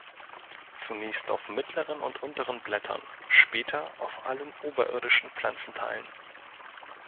Zunächst auf mittleren und unteren Blättern, später auf allen oberirdischen Pflanzenteilen.